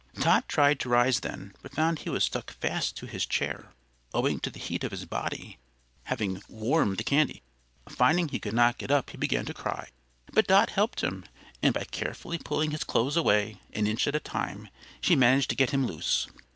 Tot tried to rise then, but found he was stuck fast to his chair, owing to the heat of his body having warmed the candy. Finding he could not get up he began to cry, but Dot helped him, and by carefully pulling his clothes away, an inch at a time, she managed to get him loose.